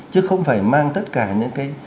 chứ không phải mang tất cả những cái